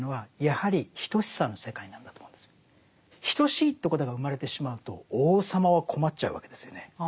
等しいということが生まれてしまうと王様は困っちゃうわけですよね。